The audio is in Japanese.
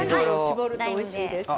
搾るとおいしいですね。